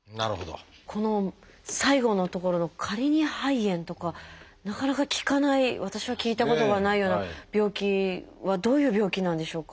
この最後のところのカリニ肺炎とかなかなか聞かない私は聞いたことがないような病気はどういう病気なんでしょうか？